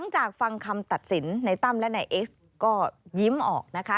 จากฟังคำตัดสินในตั้มและนายเอ็กซ์ก็ยิ้มออกนะคะ